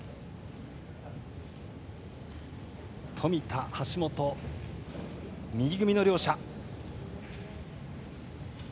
冨田、橋本右組みの両者。